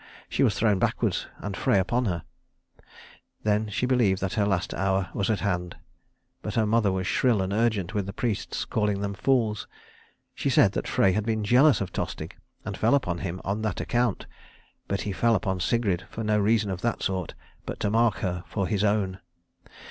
She was thrown backwards and Frey upon her. Then she believed that her last hour was at hand; but her mother was shrill and urgent with the priests, calling them fools. She said that Frey had been jealous of Tostig and fell upon him on that account; but he fell upon Sigrid for no reason of that sort, but to mark her for his own.